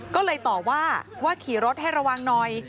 ก็เลยต่อว่าว่าขี่รถให้ระวังหน่อย